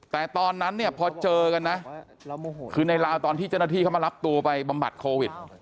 แต่ตอนนั้นเนี่ยพอเจอกันนะคือในลาวตอนที่เจ้าหน้าที่เขามารับตัวไปบำบัดโควิด